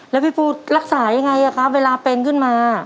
แล้วพี่ฟูรักษายังไงครับเวลาเป็นขึ้นมา